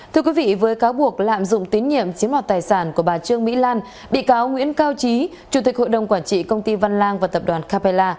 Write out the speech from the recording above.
thưa quý vị với cáo buộc lạm dụng tín nhiệm chiếm mọt tài sản của bà trương mỹ lan bị cáo nguyễn cao trí chủ tịch hội đồng quản trị công ty văn lang và tập đoàn capella